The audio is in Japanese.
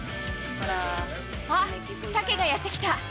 あっ、タケがやって来た。